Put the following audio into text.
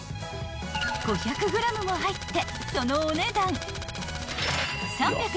［５００ｇも入ってそのお値段］